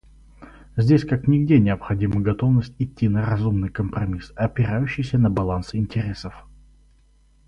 Здесь как нигде необходима готовность идти на разумный компромисс, опирающийся на баланс интересов.